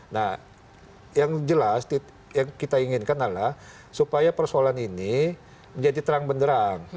nah yang jelas yang kita inginkan adalah supaya persoalan ini menjadi terang benderang